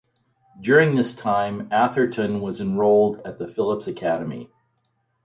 During this time Atherton was enrolled at the Phillips Academy.